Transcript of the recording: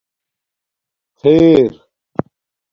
خیر